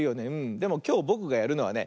でもきょうぼくがやるのはね